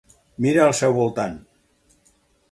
Mira al seu voltant.